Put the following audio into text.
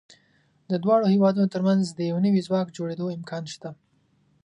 د دواړو هېوادونو تر منځ د یو نوي ځواک جوړېدو امکان شته.